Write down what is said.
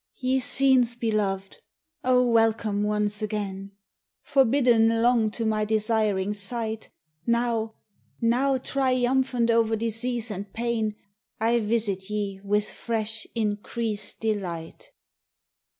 Ye scenes beloved! O welcome once again! Forbidden long to my desiring sight, Now, now! triumphant o'er disease and pain, I visit ye with fresh, increased delight.